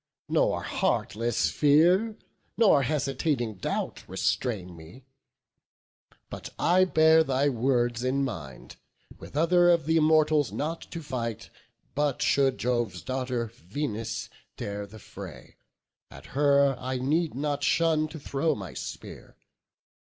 Nor heartless fear, nor hesitating doubt, Restrain me; but I bear thy words in mind, With other of th' Immortals not to fight: But should Jove's daughter, Venus, dare the fray, At her I need not shun to throw my spear.